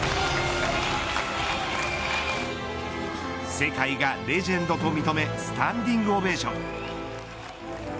世界がレジェンドと認めスタンディングオベーション。